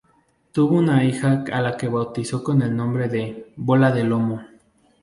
Tuvo una hija a la que bautizó con el nombre de ""Bola de lomo"".